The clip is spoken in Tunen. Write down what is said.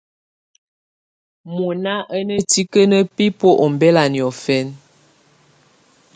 Mɔ̀na à ná tikǝ́nǝ́ bibuǝ́ ɔmbɛla niɔ̀fɛna.